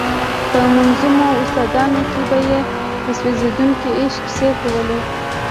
په منظومو داستانونو کې به یې د سوځېدونکي عشق کیسې کولې.